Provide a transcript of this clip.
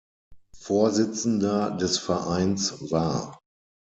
Vorsitzender des Vereins war.